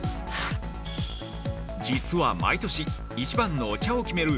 実は毎年、一番のお茶を決める